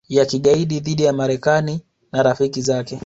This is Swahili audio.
ya kigaidi dhidi ya Marekani na rafiki zake